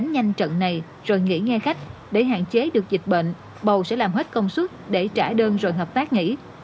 nhanh trận này rồi nghỉ nghe khách để hạn chế được dịch bệnh bầu sẽ làm hết công suất để trả đơn rồi hợp tác nghỉ